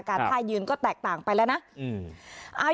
ท่ายืนก็แตกต่างไปแล้วนะ